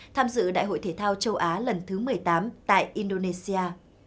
tham dự đại hội thể thao châu á lần thứ một mươi tám tại indonesia